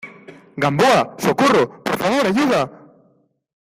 ¡ Gamboa! ¡ socorro !¡ por favor, ayuda !